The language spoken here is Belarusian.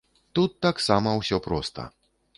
Тут таксама ўсё проста.